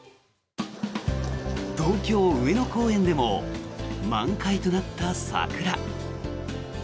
東京・上野公園でも満開となった桜。